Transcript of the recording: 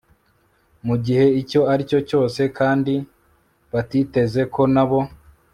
mu gihe icyo ari cyo cyose kandi batiteze ko na bo